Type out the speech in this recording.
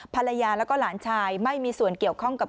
ภรรยาแล้วก็หลานชายไม่มีส่วนเกี่ยวข้องกับ